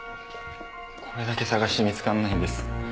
これだけ探して見つからないんです。